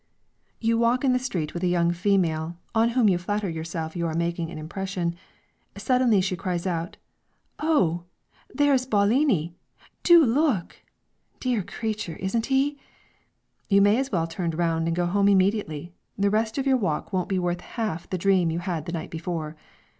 You walk in the street with a young female, on whom you flatter yourself you are making an impression; suddenly she cries out, "Oh, there's Bawlini; do look! dear creature, isn't he?" You may as well turn round and go home immediately; the rest of your walk won't be worth half the dream you had the night before.